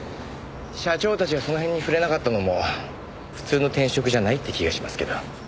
社長たちがその辺に触れなかったのも普通の転職じゃないって気がしますけど。